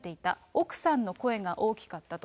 奥さんの声が大きかったと。